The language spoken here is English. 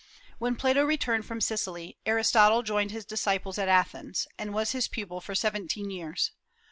When Plato returned from Sicily Aristotle joined his disciples at Athens, and was his pupil for seventeen years.